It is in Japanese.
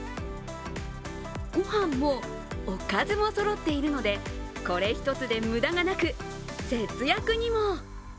ご飯もおかずもそろっているのでこれ一つで無駄がなく、節約にも。